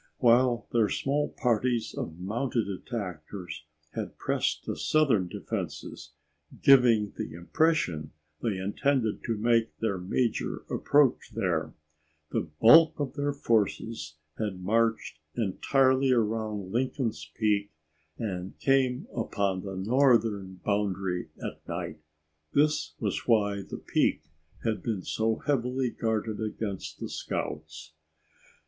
While their small parties of mounted attackers had pressed the southern defenses, giving the impression they intended to make their major approach there, the bulk of their forces had marched entirely around Lincoln's Peak and come upon the northern boundary at night. That was why the peak had been so heavily guarded against the scouts.